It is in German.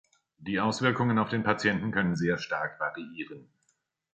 Die Auswirkungen auf den Patienten können sehr stark variieren.